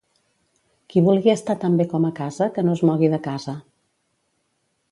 Qui vulgui estar tan bé com a casa que no es mogui de casa.